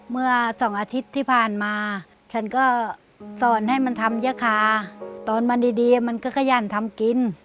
เมื่อสองอาทิตย์ที่ผ่านมาฉันก็สอนให้มันทำยะคาตอนมันดีมันก็ขยันทำกิน